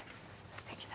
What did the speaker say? すてきな。